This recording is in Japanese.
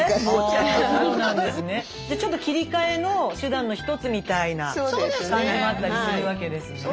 じゃちょっと切り替えの手段の一つみたいな感じもあったりするわけですね。